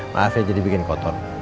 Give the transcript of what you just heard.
maaf ya jadi bikin kotor